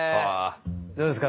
どうですか？